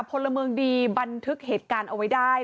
พลเมืองดีบันทึกเหตุการณ์เอาไว้ได้